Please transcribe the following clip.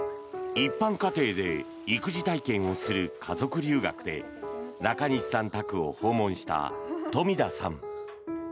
一般家庭で育児体験をする家族留学で中西さん宅を訪問した富田さん。